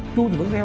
chuông thì vẫn nghe